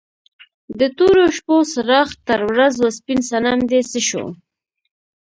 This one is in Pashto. د تورو شپو څراغ تر ورځو سپین صنم دې څه شو؟